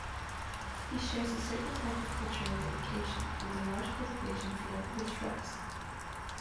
He shares a certain agricultural dedication, with a large cultivation field, with shrubs.